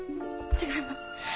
違います。